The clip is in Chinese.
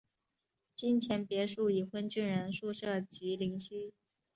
金钱别墅已婚军人宿舍及林夕。